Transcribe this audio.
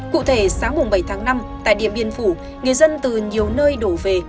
cụ thể sáng bảy tháng năm tại điện biên phủ người dân từ nhiều nơi đổ về